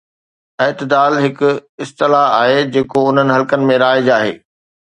اعتدال هڪ اصطلاح آهي جيڪو انهن حلقن ۾ رائج آهي.